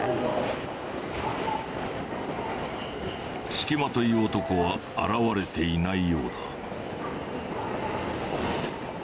つきまとい男は現れていないようだ。